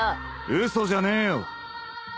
嘘じゃねえよ。